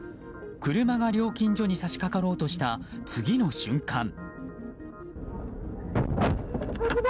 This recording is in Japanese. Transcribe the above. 車が料金所に差しかかろうとした次の瞬間。